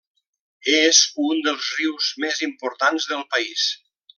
És un dels rius més importants del país.